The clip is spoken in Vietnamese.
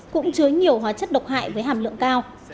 cũng chứa nhiều hóa chất độc hại với hàm lượng cao